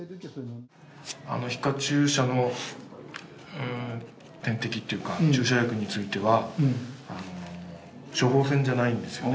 あの皮下注射の点滴っていうか注射薬については処方箋じゃないんですよね。